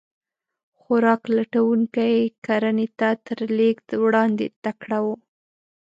خوراک لټونکي کرنې ته تر لېږد وړاندې تکړه وو.